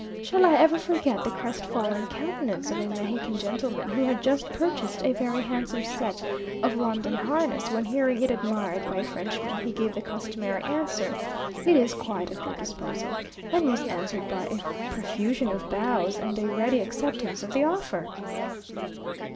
Shall I ever forget the crestfallen countenance of a Mexican gentleman who had just purchased a very handsome set of London harness, when hearing it admired by a Frenchman, he gave the customary answer, "It is quite at your disposal," and was answered by a profusion of bows, and a ready acceptance of the offer!